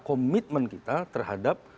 komitmen kita terhadap